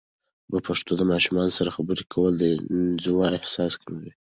په پښتو د ماشومانو سره خبرې کول، د انزوا احساس کموي.